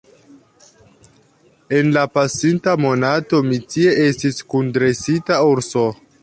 En la pasinta monato mi tie estis kun dresita urso.